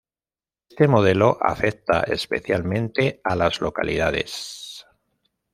Este modelo afecta especialmente a las localidades